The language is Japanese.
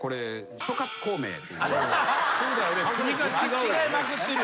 間違えまくってるやん。